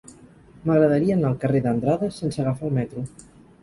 M'agradaria anar al carrer d'Andrade sense agafar el metro.